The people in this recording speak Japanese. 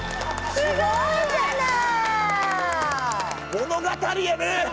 すごいじゃない！